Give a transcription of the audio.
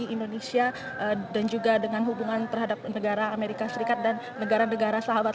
indonesia dan juga dengan hubungan terhadap negara amerika serikat dan negara negara sahabat